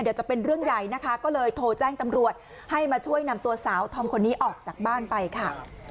จะเป็นเรื่องใหญ่นะคะก็เลยโทรแจ้งตำรวจให้มาช่วยนำตัวสาวธอมคนนี้ออกจากบ้านไปค่ะ